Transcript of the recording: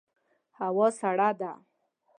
هوا سړه ده